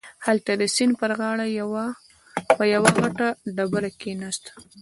هلته د سيند پر غاړه په يوه غټه ډبره کښېناسته.